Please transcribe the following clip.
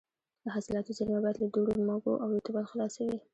د حاصلاتو زېرمه باید له دوړو، مږو او رطوبت خلاصه وي.